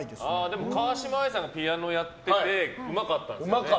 でも、川嶋あいさんがピアノやっててうまかったんですよね。